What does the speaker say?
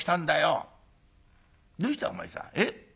どうしたお前さん。